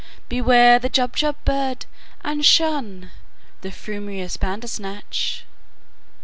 Beware the Jubjub bird, and shunThe frumious Bandersnatch!"